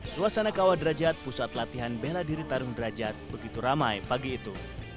suasana kawah derajat pusat latihan bela diri tarung derajat begitu ramai pagi itu